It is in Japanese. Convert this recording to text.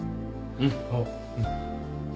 うん。